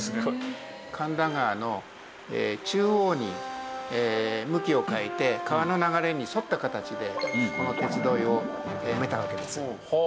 神田川の中央に向きを変えて川の流れに沿った形でこの鉄樋を埋めたわけです。